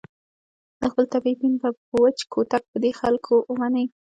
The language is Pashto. د خپلې طبعې دین به په وچ کوتک په دې خلکو ومني.